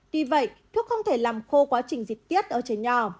tuy vậy thuốc không thể làm khô quá trình dịp tiết ở trẻ nhỏ